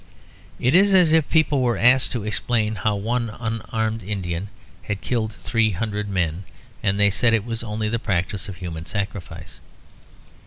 It is as if people were asked to explain how one unarmed Indian had killed three hundred men, and they said it was only the practice of human sacrifice.